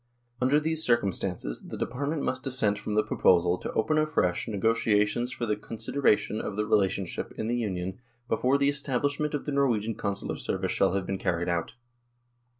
" Under these circumstances the Department must dissent from the proposal to open afresh negotiations for the consideration of the relationship in the Union before the establishment of the Norwegian Consular service shall have been carried out.